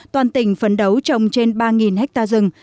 toàn tỉnh phấn đấu trồng trên ba hecta rừng